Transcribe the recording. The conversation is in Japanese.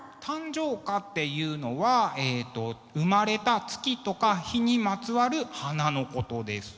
誕生花っていうのは生まれた月とか日にまつわる花のことです。